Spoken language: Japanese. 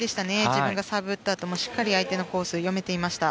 自分がサーブを打ったあともしっかり相手のコースが読めていました。